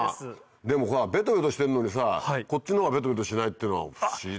でもさベトベトしてんのにこっちの方はベトベトしないっていうのは不思議だよなぁ。